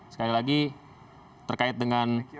sekali lagi terkait dengan